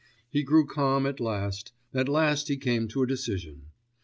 He grew calm at last; at last he came to a decision.